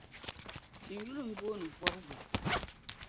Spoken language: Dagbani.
N yuli m-booni Bɔbigu.